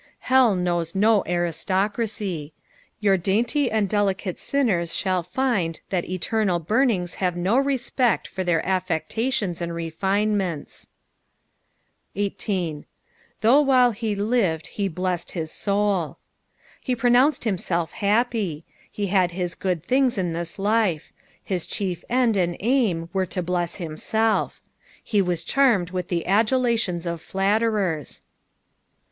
Hell knows no aristocracy. Your dainty and delicate sinners shall find that eternal buroinirs have no respect for their afiei^t at ions and refinements. 18. "Th/3Ugh while he lined he bUued hit loul." He pronounced himself happy. He had his good tilings in this life. His chief end and aim were to bless himself. He was charmed with the adulations of flatterers.